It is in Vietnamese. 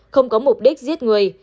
không có mục đích giết người